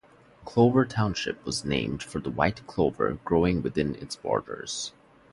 Clover Township was named for the white clover growing within its borders.